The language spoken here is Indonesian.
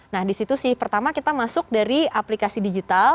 nah disitu sih pertama kita masuk dari aplikasi digital